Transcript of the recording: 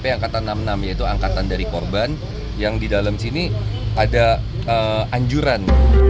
yang enam puluh enam yaitu angkatan dari korban yang di dalam sini ada anjuran